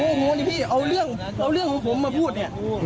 โมโหโมนี่พี่เอาเรื่องของผมมาพูดเนี่ย